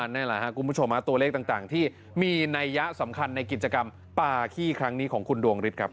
นั่นแหละครับคุณผู้ชมตัวเลขต่างที่มีนัยยะสำคัญในกิจกรรมปาขี้ครั้งนี้ของคุณดวงฤทธิ์ครับ